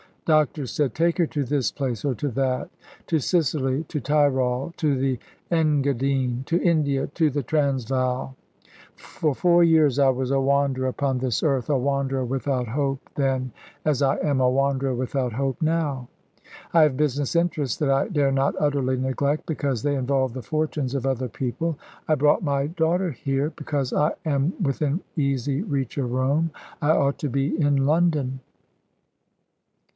Doctors said: Take her to this place or to that to Sicily, to the Tyrol, to the Engadine, to India to the Transvaal. For four years I was a wanderer upon this earth, a wanderer without hope then, as I am a wanderer without hope now. I have business interests that I dare not utterly neglect, because they involve the fortunes of other people. I brought my daughter here, because I am within easy reach of Rome. I ought to be in London."